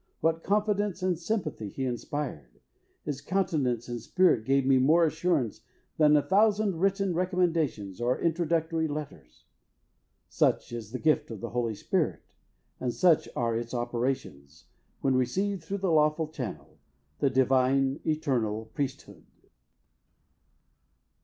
What confidence and sympathy he inspired! His countenance and spirit gave me more assurance, than a thousand written recommendations, or introductory letters." Such is the gift of the Holy Spirit, and such are its operations, when received through the lawful channel the divine, eternal Priesthood.